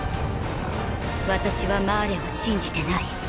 私はマーレを信じてない。